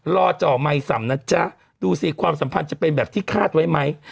จ่อไมค์สำนะจ๊ะดูสิความสัมพันธ์จะเป็นแบบที่คาดไว้ไหม